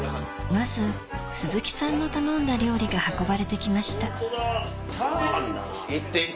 まず鈴木さんの頼んだ料理が運ばれて来ましたチャーハンだな。